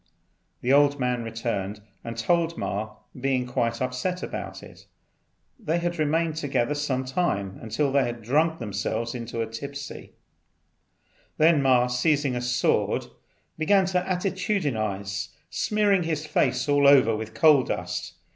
The old man returned and told Ma, being quite upset about it. They remained together some time until they had drunk themselves tipsy. Then Ma, seizing a sword, began to attitudinize, smearing his face all over with coal dust.